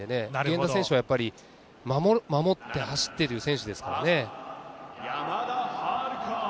源田選手は守って走ってという選手ですからね。